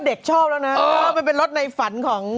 เด็กชอบนะนะเค้ามันเป็นรถในฝั่งของ